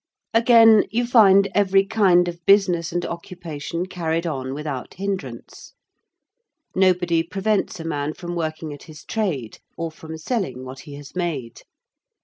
Again, you find every kind of business and occupation carried on without hindrance. Nobody prevents a man from working at his trade; or from selling what he has made.